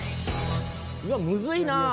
うわっむずいなぁ。